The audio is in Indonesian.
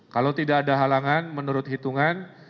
kalau tidak ada halangan menurut hitungan